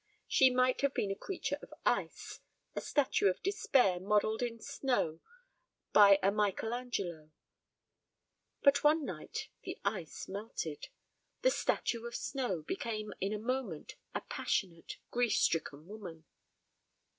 She might have been a creature of ice, a statue of despair modelled in snow by a Michael Angelo. But one night the ice melted, the statue of snow became in a moment a passionate, grief stricken woman.